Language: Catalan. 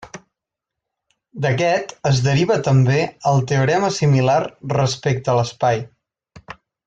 D'aquest es deriva també el teorema similar respecte l'espai.